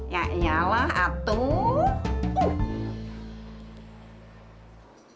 ya iyalah atuh